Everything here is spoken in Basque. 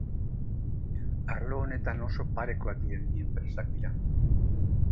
Arlo honetan oso parekoak diren bi enpresak dira.